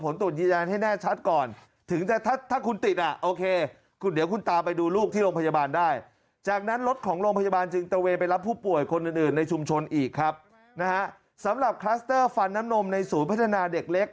สำหรับคลัสเตอร์ฟันน้ำนมในศูนย์พัฒนาเด็กเล็ก